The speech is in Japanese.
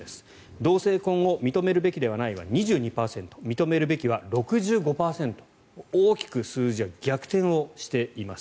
同性婚を認めるべきではないは２２％認めるべきは６５％大きく数字が逆転をしています。